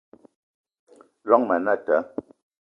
Llong ma anata